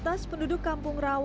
tapi penduduk yang berpengalaman